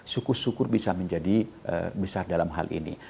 sukur sukur bisa menjadi besar dalam hal ini